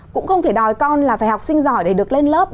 cũng không thể đòi con là phải học sinh giỏi để được lên lớp